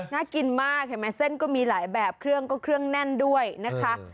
น่ากินมากเห็นไหมเส้นก็มีหลายแบบเครื่องก็เครื่องแน่นด้วยนะคะ